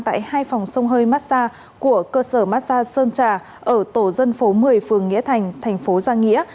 tại hai phòng sông hơi massa của cơ sở massa sơn trà ở tổ dân phố một mươi phường nghĩa thành thành phố giang hĩa